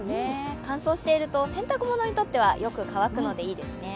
乾燥していると、洗濯物にとってはよく乾くのでいいですね。